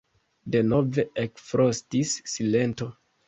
Denove ekfrostis silento.